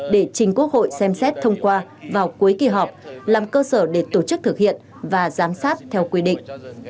để trình quốc hội xem xét thông qua vào cuối kỳ họp làm cơ sở để tổ chức thực hiện và giám sát theo quy định